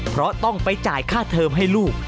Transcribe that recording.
เพราะต้องไปจ่ายค่าเทอมให้ลูก